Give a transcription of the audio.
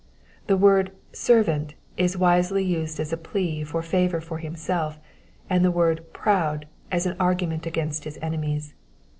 The word " servant " is wisely used as a plea for favour for himself, and the word *^ proud ^^ as an argument against his enemies.